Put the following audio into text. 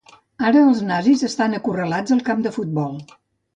Ara els nazis estan acorralats al camp de futbol.